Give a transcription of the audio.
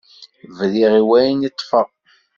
Briɣ i wayen i ṭṭfeɣ.